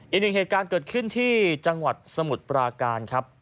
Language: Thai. อีกหนึ่งเหตุการณ์เกิดขึ้นที่จังหวัดสมุทรปราการครับ